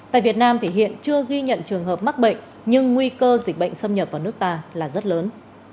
tại việt nam thì hiện chưa ghi nhận trường hợp mắc bệnh nhưng nguy cơ dịch bệnh xâm nhập vào nước ta là rất lớn